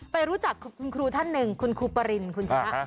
ไปรู้จักคุณครูท่านหนึ่งคุณครูปรินคุณชนะ